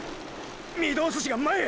御堂筋が前へ！！